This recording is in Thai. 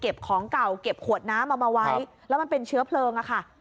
ของเก่าเก็บขวดน้ำเอามาไว้แล้วมันเป็นเชื้อเพลิงอะค่ะ